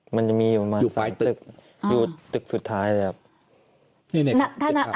มันจะมีอยู่ประมาณสามตึกอยู่ตึกสุดท้ายเลยครับ